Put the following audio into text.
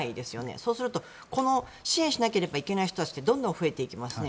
そうすると支援しなくちゃいけない人たちってどんどん増えていきますよね。